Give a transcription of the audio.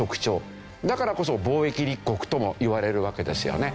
だからこそ貿易立国ともいわれるわけですよね。